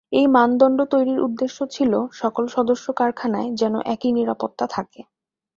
এই মানদণ্ড তৈরির উদ্দেশ্য ছিল সকল সদস্য কারখানায় যেন একি নিরাপত্তা থাকে।